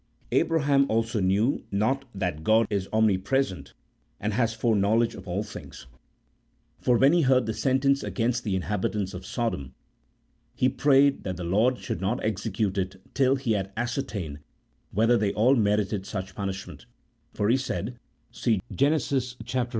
Abraham also knew not that God is omnipresent, and has foreknowledge of all tilings ; for when he heard the sentence against the in habitants of Sodom, he prayed that the Lord should not execute it till He had ascertained whether they all merited such punishment ; for he said (see Gen. xviii.